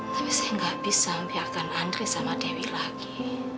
tapi saya nggak bisa membiarkan andre sama dewi lagi